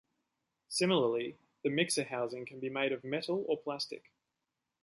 Similarly, the mixer housing can be made of metal or plastic.